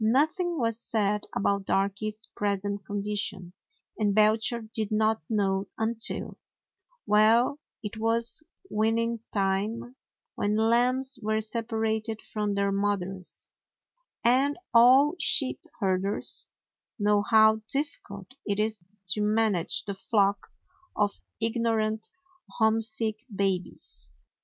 Nothing was said about Darky's present condition, and Belcher did not know until — Well, it was weaning time, when the lambs were separated from their mother's, and all sheep herders know how difficult it is to man age the flock of ignorant, homesick babies.